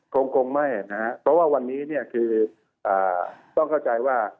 กรงไม่นะคะเพราะว่าวันนี้คือต้องเข้าใจว่า